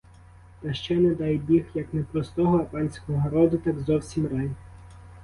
Та ще, не дай біг, як не простого, а панського роду, так зовсім рай.